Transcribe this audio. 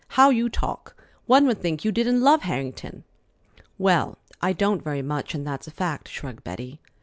How you talk! One would think you didn't love Harrington." "Well, I don't very much, and that's a fact," shrugged Betty.